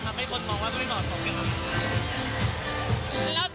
ทำให้คนมองว่ามันไม่เหมาะสม